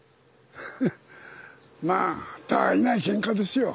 まあたわいないケンカですよ。